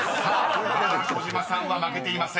［まだ児嶋さんは負けていません。